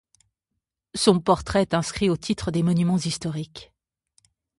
Son portail est inscrit au titre des Monuments historiques.